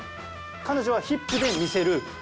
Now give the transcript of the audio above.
彼女はヒップで見せるツイスト。